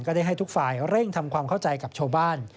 ได้ให้ทุกฝ่ายเร่งทำความเข้าใจกับชาวบ้าน